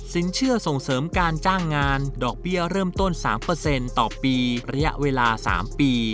เชื่อส่งเสริมการจ้างงานดอกเบี้ยเริ่มต้น๓ต่อปีระยะเวลา๓ปี